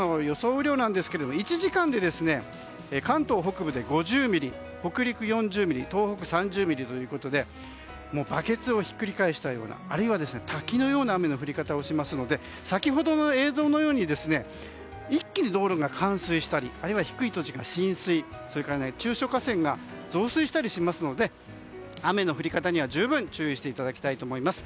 雨量ですが１時間で関東北部で５０ミリ北陸４０ミリ、東北３０ミリということでバケツをひっくり返したようなあるいは滝のような雨の降り方をしますので先ほどの映像のように一気に道路が冠水したりあるいは低い土地の浸水中小河川が増水したりしますので雨の降り方には十分注意していただきたいと思います。